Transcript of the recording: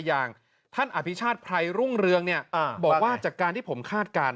อย่างท่านอภิชาติไพรรุ่งเรืองบอกว่าจากการที่ผมคาดการณ